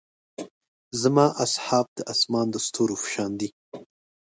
زما اصحاب د اسمان د ستورو پۀ شان دي.